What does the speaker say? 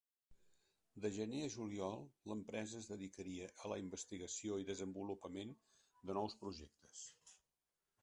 De gener a juliol l'empresa es dedicaria a la investigació i desenvolupament de nous projectes.